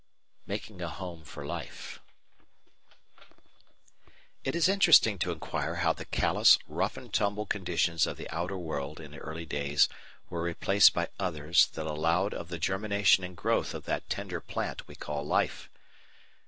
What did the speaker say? § 3 Making a Home for Life It is interesting to inquire how the callous, rough and tumble conditions of the outer world in early days were replaced by others that allowed of the germination and growth of that tender plant we call LIFE.